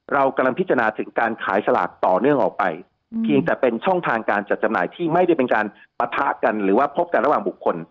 เรากำลังพิจารณาถึงการขายสลากต่อเนื่องออกไปเพียงแต่เป็นช่องทางการจัดจำหน่ายที่ไม่ได้เป็นการปะทะกันหรือว่าพบกันระหว่างบุคคล